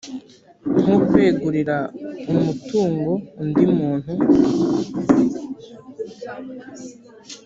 nko kwegurira umutungo undi muntu